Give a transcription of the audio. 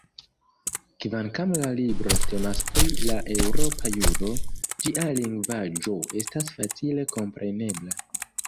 Kvankam la libro temas pri la eŭropa juro, ĝia lingvaĵo estas facile komprenebla.